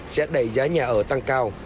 sẽ đẩy giá nhà ở tăng cao